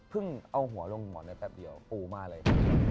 เพิ่งเอาหัวลงหมอนในแป๊บเดียวปูมาเลย